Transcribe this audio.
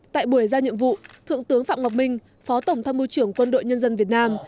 tại buổi ra nhiệm vụ thượng tướng phạm ngọc minh phó tổng tham mưu trưởng quân đội nhân dân việt nam